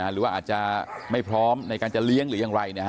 หรือว่าอาจจะไม่พร้อมในการจะเลี้ยงหรือยังไร